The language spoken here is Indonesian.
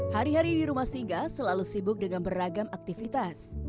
hari hari di rumah singga selalu sibuk dengan beragam aktivitas